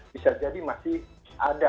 bisa jadi masih ada